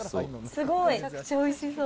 すごい、めちゃくちゃおいしそう。